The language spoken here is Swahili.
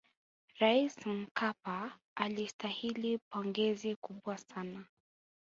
raisi mkapa alistahili pongezi kubwa sana